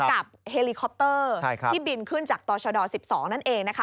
กับเฮลิคอปเตอร์ที่บินขึ้นจากต่อชด๑๒นั่นเองนะคะ